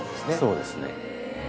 そうですね。